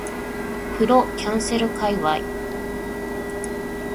風呂キャンセル界隈